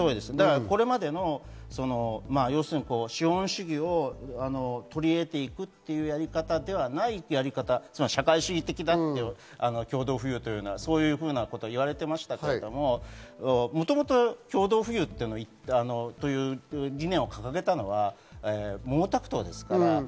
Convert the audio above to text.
これまでの資本主義を取り入れていくというやり方ではないやり方、社会主義的な共同富裕ということは言われていましたけれど、もともと共同富裕はそういう理念を掲げたのは毛沢東です。